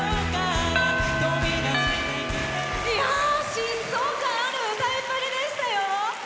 疾走感ある歌いっぷりでしたよ。